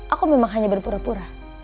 aku memang hanya berpura pura